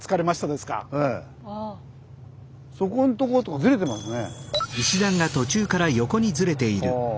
そこんとことかずれてますね。